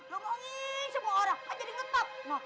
nongongin semua orang kan jadi ngetap